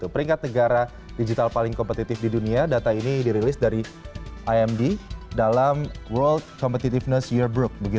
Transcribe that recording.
peringkat negara digital paling kompetitif di dunia data ini dirilis dari imb dalam world competitiveness yearbook